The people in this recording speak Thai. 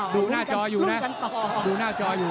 ดูหน้าจออยู่นะดูหน้าจออยู่